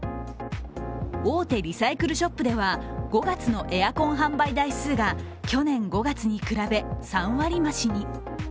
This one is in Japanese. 大手リサイクルショップでは、５月のエアコン販売台数が去年５月に比べ３割増しに。